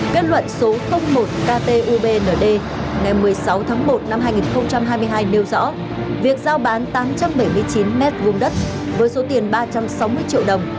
kết luận số một ktubnd ngày một mươi sáu tháng một năm hai nghìn hai mươi hai nêu rõ việc giao bán tám trăm bảy mươi chín m hai đất với số tiền ba trăm sáu mươi triệu đồng